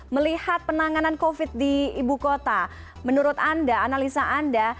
melihat penanganan covid di ibu kota menurut anda analisa anda